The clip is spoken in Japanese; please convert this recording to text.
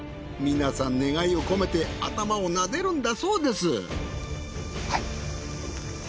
皆さん願いを込めて頭を撫でるんだそうです。